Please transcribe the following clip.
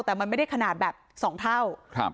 แต่มันไม่ได้ขนาดแบบ๒เท่า